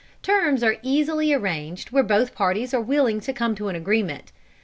Terms are easily arranged where both parties are willing to come to an agreement.